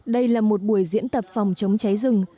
đây là một buổi diễn tập phòng chống cháy rừng